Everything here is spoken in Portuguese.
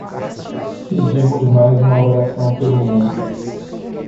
Pedimos mais uma oração pelo mundo